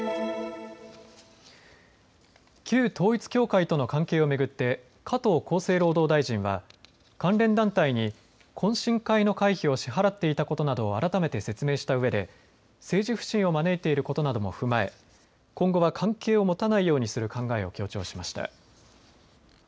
旧統一教会との関係を巡って加藤厚生労働大臣は関連団体に懇親会の会費を支払っていたことなどを改めて説明したうえで政治不信を招いていることなども踏まえ今後は関係を持たないようにする考えを強調しました。